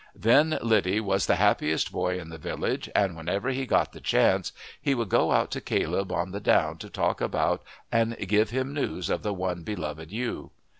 Then Liddy was the happiest boy in the village, and whenever he got the chance he would go out to Caleb on the down to talk about and give him news of the one beloved ewe.